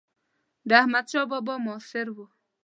د احمدشاه بابا معاصر و.